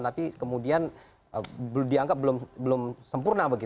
tapi kemudian dianggap belum sempurna